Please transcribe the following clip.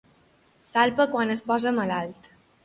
Salpa quan es posa malalt.